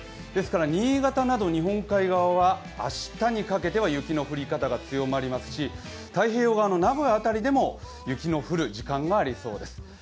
ですから新潟など日本海側は明日にかけて雪の降り方が強まりますし太平洋側の名古屋辺りでも雪の降る時間がありそうです。